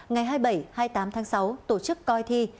ngày hai mươi tám tháng sáu tổ chức coi thi